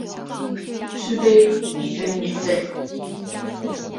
续杯一杯免费